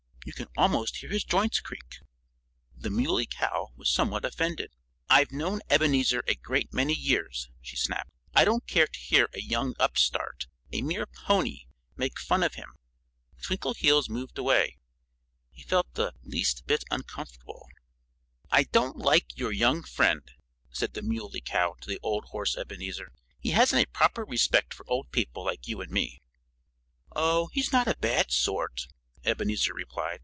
You can almost hear his joints creak." The Muley Cow was somewhat offended. "I've known Ebenezer a great many years," she snapped. "I don't care to hear a young upstart a mere pony make fun of him." Twinkleheels moved away. He felt the least bit uncomfortable. "I don't like your young friend," said the Muley Cow to the old horse Ebenezer. "He hasn't a proper respect for old people like you and me." "Oh, he's not a bad sort," Ebenezer replied.